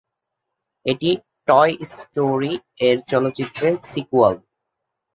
এটি "টয় স্টোরি"র চলচ্চিত্রের সিক্যুয়াল।